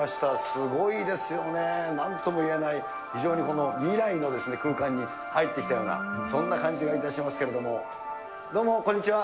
すごいですよね、なんとも言えない、非常にこの、未来の空間に入ってきたような、そんな感じがいたしますけれども、どうもこんにちは。